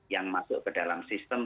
yang masuk ke dalam sistem